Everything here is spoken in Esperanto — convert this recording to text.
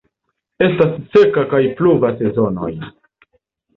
Estas seka kaj pluva sezonoj.